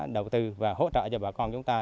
đầu tư và hỗ trợ cho bà con chúng ta